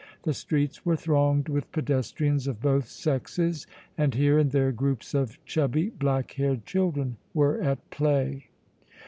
The streets were thronged with pedestrians of both sexes and here and there groups of chubby, black haired children were at play.